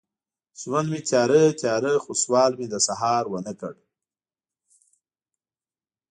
ژوند مې تیاره، تیاره، خو سوال مې د سهار ونه کړ